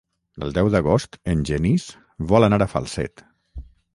El deu d'agost en Genís vol anar a Falset.